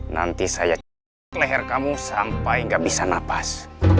nanti saya cek leher kamu sampai gak bisa napas